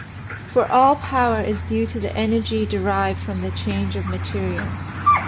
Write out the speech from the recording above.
For all power is due to the energy derived from the change of material.